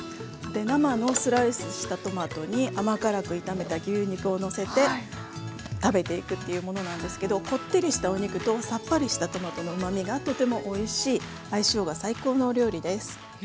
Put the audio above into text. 生のスライスしたトマトに甘辛く炒めた牛肉をのせて食べていくというものなんですけどこってりしたお肉とさっぱりしたトマトのうまみがとてもおいしい相性が最高のお料理です。